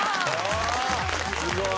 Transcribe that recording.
すごい。